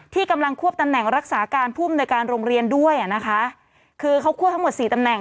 ที่กำลังควบตำแหน่งรักษาการผู้บรรยาการโรงเรียนด้วยคือเขาควบทั้งหมด๔ตำแหน่ง